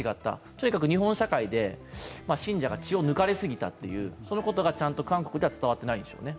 とにかく日本社会で信者が血を抜かれすぎたという、そのことがちゃんと韓国では伝わっていないんでしょうね。